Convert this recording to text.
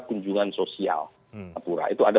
kunjungan sosial singapura itu ada